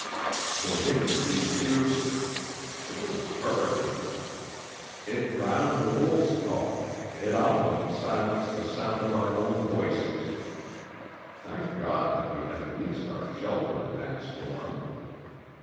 The wind grew fiercer. It was a hurricane. It drowned the wolf's call; it almost silenced the sound of our own voices. Thank God that we had at least our shelter in that storm.